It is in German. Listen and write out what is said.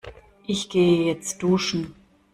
Ich gehe jetzt duschen.